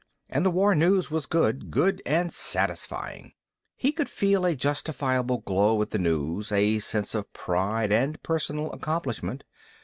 And the war news was good, good and satisfying. He could feel a justifiable glow at the news, a sense of pride and personal accomplishment.